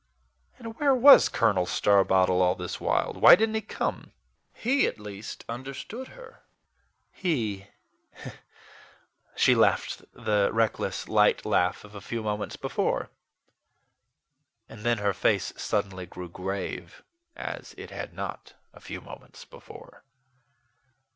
And where was Colonel Starbottle all this while? Why didn't he come? He, at least, understood her. He she laughed the reckless, light laugh of a few moments before; and then her face suddenly grew grave, as it had not a few moments before.